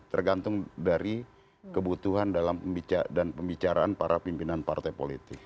tergantung dari kebutuhan dalam pembicaraan para pimpinan partai politik